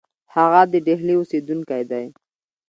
هغه د ډهلي اوسېدونکی دی.